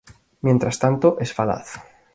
Mientras tanto, es falaz.